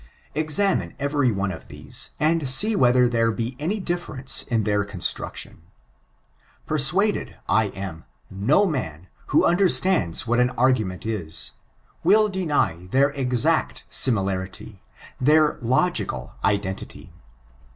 Examine every one of these, and see whether there be any dif^renoe in their construction. Persuaded I am, no man, who understands what an argument is, will deny their exact similarity — ^their logical identity.